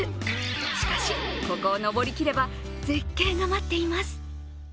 しかし、ここを登りきれば絶景が待っています。